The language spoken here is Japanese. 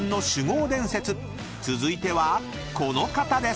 ［続いてはこの方です］